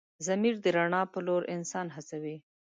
ضمیر د رڼا په لور انسان هڅوي.